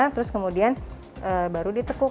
terus kemudian baru ditekuk